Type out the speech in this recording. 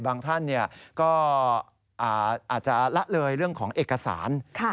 บางท่านก็อาจจะละเลยเรื่องของเอกสาร